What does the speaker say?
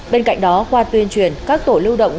bên cạnh đó qua tuyên truyền các tổ lưu động